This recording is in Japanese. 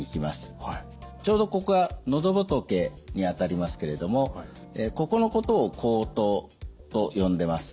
ちょうどここが喉仏にあたりますけれどもここのことを喉頭と呼んでます。